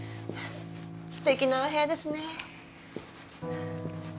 すてきなお部屋ですね。